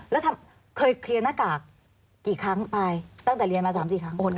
แล้วเคยเคลียร์หน้ากากกี่ครั้งไปตั้งแต่เรียนมา๓๔ครั้ง